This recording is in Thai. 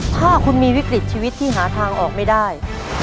ถ้าคุณมีวิกฤตชีวิตที่หาทางออกไม่ได้